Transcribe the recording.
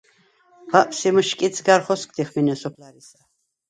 ბაპს ი მჷშკიდს გარ ხოსგდიხ მინე სოფლარისა.